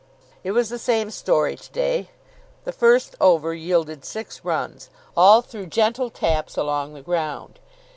It was the same story to day. The first over yielded six runs, all through gentle taps along the ground.